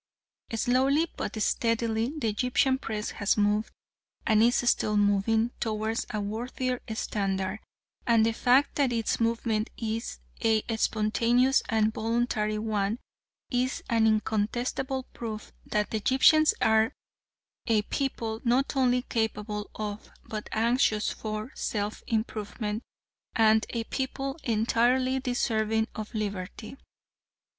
Slowly but steadily the Egyptian Press has moved, and is still moving, towards a worthier standard, and the fact that its movement is a spontaneous and voluntary one is an incontestable proof that the Egyptians are a people not only capable of, but anxious for, self improvement, and a people entirely deserving of liberty.